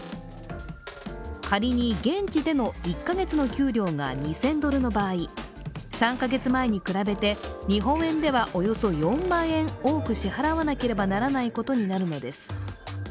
仮に現地での１カ月の給料が２０００ドルの場合、３カ月前に比べて日本円ではおよそ４万円、多く支払わなければならないことになるのです。